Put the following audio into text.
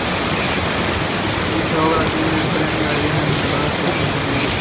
Dicha obra obtiene el premio Ariel a la mejor actuación femenina.